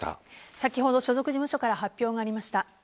先ほど所属事務所から発表がありました。